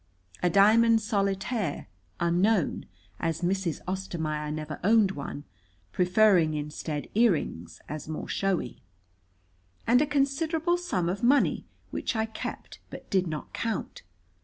A diamond solitaire, unknown, as Mrs. Ostermaier never owned one, preferring instead earrings as more showy. And a considerable sum of money, which I kept but did not count.